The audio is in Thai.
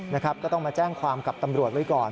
นะครับก็ต้องมาแจ้งความกับตำรวจไว้ก่อน